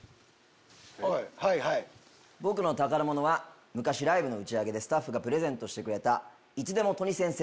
僕の宝物は昔ライブの打ち上げでスタッフがプレゼントしてくれた。